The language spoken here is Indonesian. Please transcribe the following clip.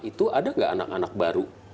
itu ada nggak anak anak baru